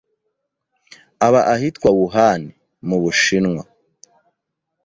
Aba ahitwa Wuhan, mmubushinwa